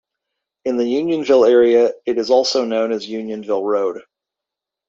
In the Unionville area, it is also known as Unionville Road.